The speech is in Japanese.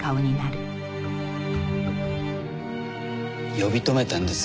呼び止めたんです。